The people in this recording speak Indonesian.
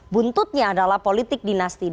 buntutnya adalah politik dinasti